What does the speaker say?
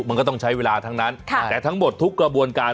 มันก็ต้องใช้เวลาทั้งนั้นแต่ทั้งหมดทุกกระบวนการ